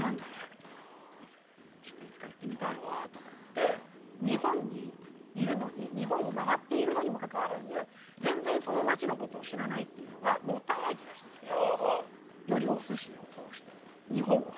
みたいな「ちょっといつか行ってみたいわ」とか言って日本にいるのに日本をまわっているのにもかかわらず全然その街のことを知らないっていうのがもったいない気がしてきて。